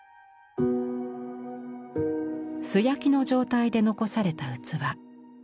素焼きの状態で残された器。